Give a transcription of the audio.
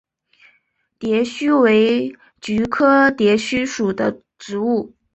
蝶须为菊科蝶须属的植物。